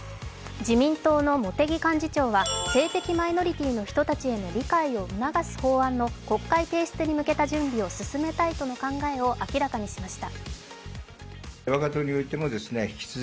自民党の茂木幹事長は性的マイノリティーの人たちへの理解を促す法案を国会提出へ向けた準備を進めたいという考えを明らかにしました。